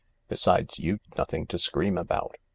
Besides, you'd nothing to scream about.